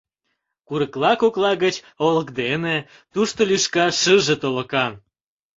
Курыкла кокла гыч олык дене Тушто лӱшка шыже толыкан